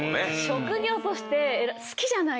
職業として好きじゃないと。